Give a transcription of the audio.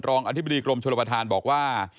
รองอธิบดีกรมชุนละประธานบอกว่า